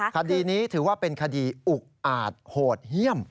คดีนี้ถือว่าคดีอุ๊กอาดโหดเหี้ยม